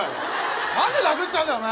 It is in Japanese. なんで殴っちゃうんだよお前。